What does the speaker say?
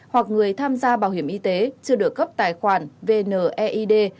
hoặc người tham gia bảo hiểm y tế chưa được cấp tài khoản vneid